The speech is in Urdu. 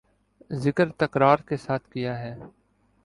ذکر تکرار کے ساتھ کیا ہے